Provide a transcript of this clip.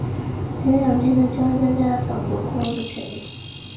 科曼奇是位于美国得克萨斯州科曼奇县的一个城市。